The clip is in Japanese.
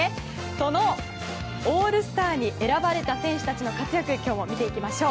そのオールスターに選ばれた選手たちの活躍を今日も見ていきましょう。